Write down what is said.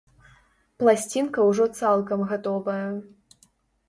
Пласцінка ўжо цалкам гатовая.